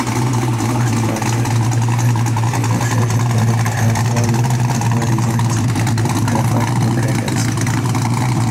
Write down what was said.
Past pilot and demonstration projects have all used thermal designs with graphite moderators.